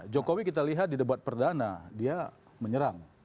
jokowi kita lihat di debat perdana dia menyerang